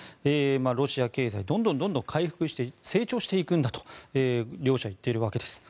ロシア経済、どんどん回復して成長していくんだと両者は言ってるわけです。